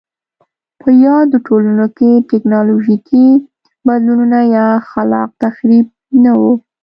په یادو ټولنو کې ټکنالوژیکي بدلونونه یا خلاق تخریب نه و